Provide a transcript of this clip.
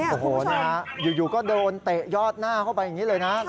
โอ้โหอยู่ก็โดนเตะยอดหน้าเข้าไปอย่างนี้เลยนะ